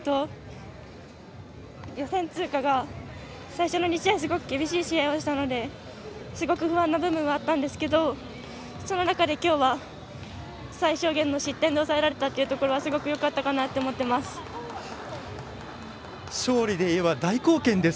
予選通過が久しぶりにすごく厳しい試合をしたのですごく不安な部分はあったんですけどその中できょうは最小限の失点で抑えられたというのはすごくよかったかなと思っています。